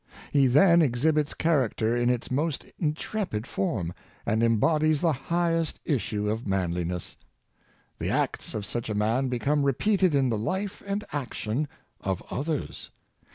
He then exhibits character in its most intrepid form, and embodies the highest idea of manliness. The acts of such a man become repeated in the life and action of others.